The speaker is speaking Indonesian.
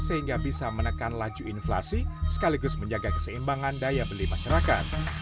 sehingga bisa menekan laju inflasi sekaligus menjaga keseimbangan daya beli masyarakat